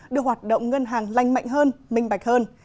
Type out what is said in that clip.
đưa hoạt động ngân hàng lành mạnh hơn minh bạch hơn